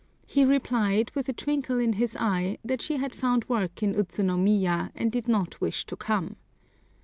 He replied, with a twinkle in his eye, that she had found work in Utsunomiya and did not wish to come.